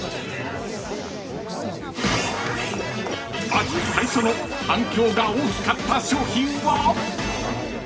［まず最初の反響が大きかった商品は？］